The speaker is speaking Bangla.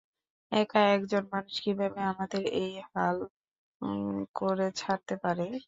একা একজন মানুষ কীভাবে আমাদের এই হাল করে ছাড়তে পারে?